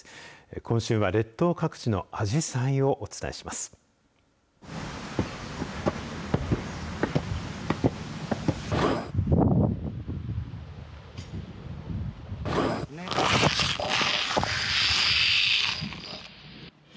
今週は列島各地のアジサイをお伝えします。